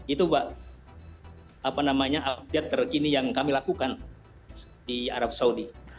itu pak update terkini yang kami lakukan di arab saudi